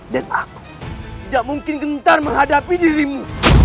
dan aku tidak mungkin gentar menghadapi dirimu